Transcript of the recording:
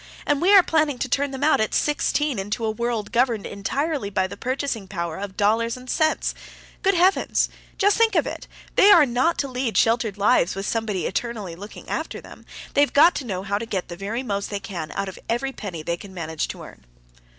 And we are planning to turn them out at sixteen into a world governed entirely by the purchasing power of dollars and cents! Good heavens! just think of it! They are not to lead sheltered lives with somebody eternally looking after them; they have got to know how to get the very most they can out of every penny they can manage to earn.